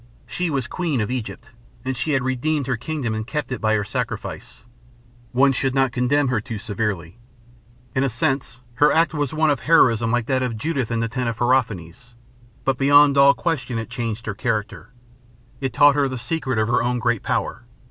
She was queen of Egypt, and she had redeemed her kingdom and kept it by her sacrifice. One should not condemn her too severely. In a sense, her act was one of heroism like that of Judith in the tent of Holofernes. But beyond all question it changed her character. It taught her the secret of her own great power.